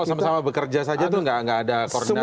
kalau sama sama bekerja saja itu tidak ada koordinasi yang baik